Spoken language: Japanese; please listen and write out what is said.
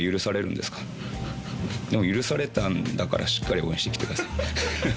でも、許されたんだから、しっかり応援してきてください。